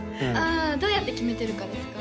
あどうやって決めてるかですか？